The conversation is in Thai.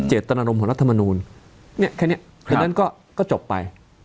เจตนโทรมเหล่านักรัฐมนูมเนี้ยแค่เนี้ยก็จะไปแค่นั้นก็ก็จบไป